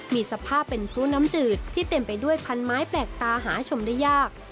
มีสภาพเป็นพลุน้ำจืดที่เต็มไปด้วยพันไม้แปลกตาหาชมได้ยาก